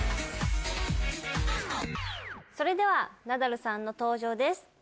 それではナダルさんの登場です。